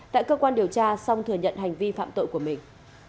tại cơ quan điều tra song thừa nhận hành vi phạm tội của mình